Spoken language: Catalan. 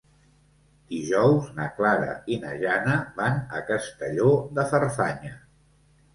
Dijous na Clara i na Jana van a Castelló de Farfanya.